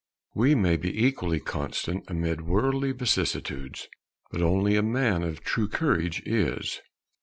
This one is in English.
We may be equally constant amid worldly vicissitudes, but only a man of true courage is.